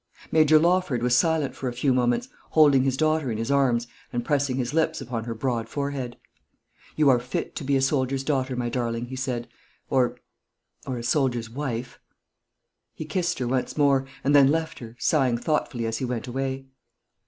Major Lawford was silent for a few moments, holding his daughter in his arms and pressing his lips upon her broad forehead. "You are fit to be a soldier's daughter, my darling," he said, "or or a soldier's wife." He kissed her once more, and then left her, sighing thoughtfully as he went away.